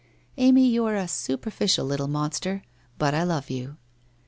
Amy, you are a superficial little monster, but I love you.